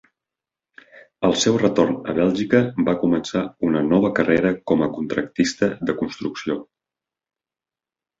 Al seu retorn a Bèlgica va començar una nova carrera com a contractista de construcció.